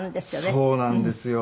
そうなんですよ。